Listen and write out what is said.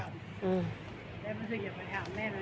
เพื่อนฉันพิการแต่คุณแม่มันอยู่แผงเพชร